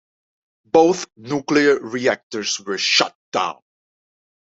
Both nuclear reactors were shut down.